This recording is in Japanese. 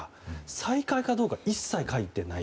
再開かどうか一切書いていない。